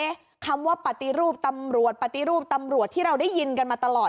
คำว่าปฏิรูปตำรวจปฏิรูปตำรวจที่เราได้ยินกันมาตลอด